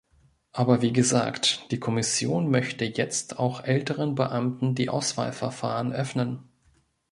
Aber wie gesagt, die Kommission möchte jetzt auch älteren Beamten die Auswahlverfahren öffnen.